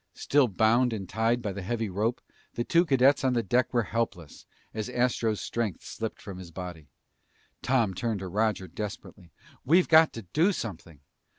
Still bound and tied by the heavy rope, the two cadets on the deck were helpless, as Astro's strength slipped from his body. Tom turned to Roger desperately. "We've got to do something!"